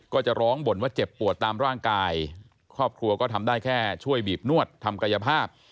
ก็จะร้องบ่นว่าเจ็บปวดตามร่างกายครอบครัวก็ทำได้แค่ช่วยบีบนวดทำกายภาพ